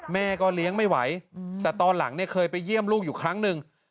แม่ก็เลี้ยงไม่ไหวแต่ตอนหลังเนี่ยเคยไปเยี่ยมลูกอยู่ครั้งหนึ่ง